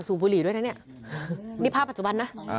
บุหรี่ด้วยนะเนี่ยนี่ภาพปัจจุบันนะ